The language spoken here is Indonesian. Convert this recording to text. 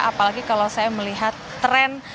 apalagi kalau saya melihat tren